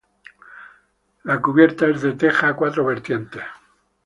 La cubierta es de teja a cuatro vertientes.